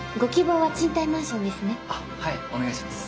あっはいお願いします。